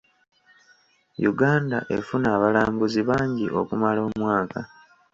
Uganda efuna abalambuzi bangi okumala omwaka.